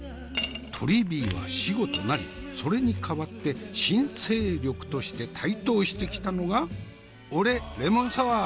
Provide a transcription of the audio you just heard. とりビーは死語となりそれに代わって新勢力として台頭してきたのが「俺レモンサワー！」。